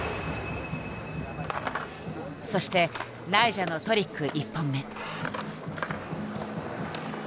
そしてナイジャのトリック１本目。